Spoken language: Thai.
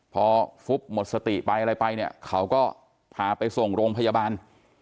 พอฟุบหมดสติไปอะไรไปเนี่ยเขาก็พาไปส่งโรงพยาบาล